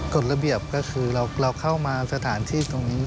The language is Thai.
กฎระเบียบก็คือเราเข้ามาสถานที่ตรงนี้